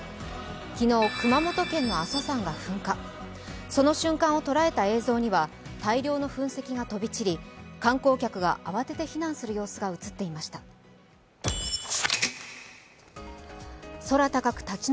昨日、熊本県の阿蘇山が噴火その瞬間を捉えた映像には大量の噴石が飛び散り観光客が慌てて避難する様子が映っていました。